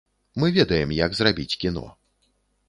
Мы ведаем, як зрабіць кіно.